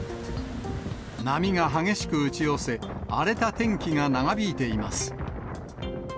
波が激しく打ち寄せ、荒れた天気が長引いています。